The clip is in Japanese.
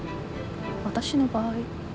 私の場合？